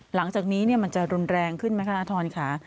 หลังจากนี้เนี่ยมันจะรุนแรงขึ้นไหมครับฮค่ะ